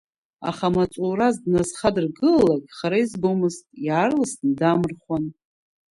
Аха маҵурас дназхадыргылалакь хара изгомызт иаарласны дамырхуан.